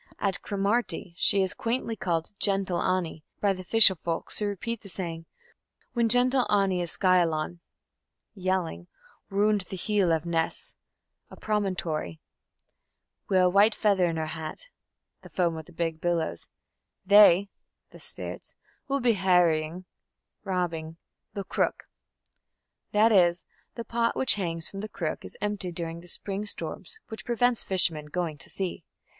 At Cromarty she is quaintly called "Gentle Annie" by the fisher folks, who repeat the saying: "When Gentle Annie is skyawlan (yelling) roond the heel of Ness (a promontory) wi' a white feather on her hat (the foam of big billows) they (the spirits) will be harrying (robbing) the crook" that is, the pot which hangs from the crook is empty during the spring storms, which prevent fishermen going to sea.